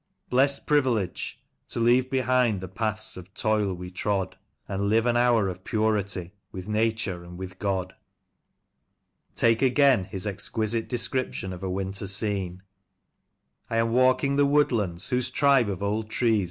Blest privilege I to leave behind the paths of toil we trod, And live an hour of purity with Nature and with God I " Take again his exquisite description of a "Winter Scene ":—" I am walking the woodlands, whose tribe of old trees.